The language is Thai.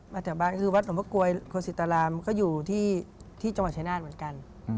วัดแถวบ้านนี่คือวัดหลวงพ่อกรวยโคสิตรารามก็อยู่ที่จังหวัดชายนาฬเหมือนกัน